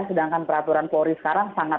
sedangkan peraturan polri sekarang sangat